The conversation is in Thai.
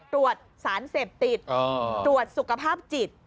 ตรวจสารเสพติดตรวจสุขภาพจิต